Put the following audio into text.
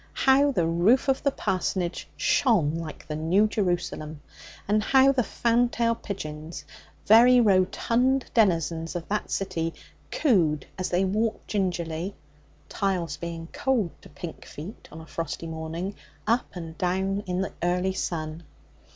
How the roof of the parsonage shone like the New Jerusalem! And how the fantail pigeons, very rotund denizens of that city, cooed as they walked gingerly tiles being cold to pink feet on a frosty morning up and down in the early sun!